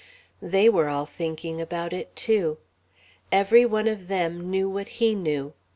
They were all thinking about it, too. Every one of them knew what he knew.